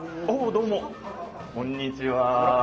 どうも、こんにちは。